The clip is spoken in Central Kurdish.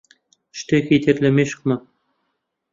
شتێکی تر لە مێشکمە.